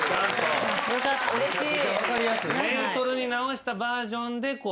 うれしい。